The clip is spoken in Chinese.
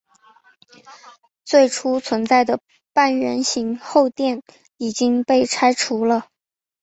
最初存在的半圆形后殿已经被拆除了。